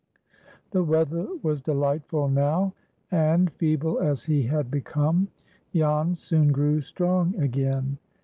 The weather was delightful now, and, feeble as he had become, Jan soon grew strong again.